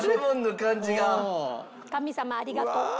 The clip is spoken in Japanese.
神様ありがとう。